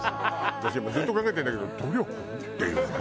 私もうずっと考えてんだけど「努力？」っていうね。